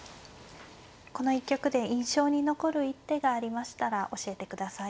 この一局で印象に残る一手がありましたら教えてください。